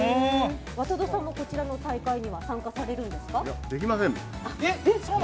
渡戸さんも、こちらの大会には参加されるんですか？